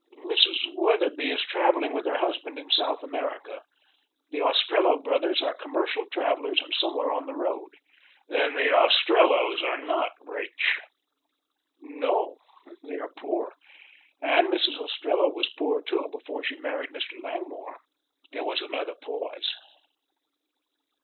"Mrs. Wetherby is traveling with her husband in South America. The Ostrello brothers are commercial travelers and somewhere on the road." "Then the Ostrellos are not rich?" "No, they are poor, and Mrs. Ostrello was poor, too, before she married Mr. Langmore." There was another pause.